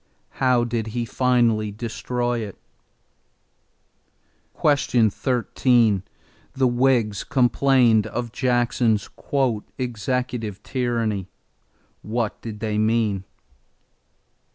How did he finally destroy it? 13. The Whigs complained of Jackson's "executive tyranny." What did they mean?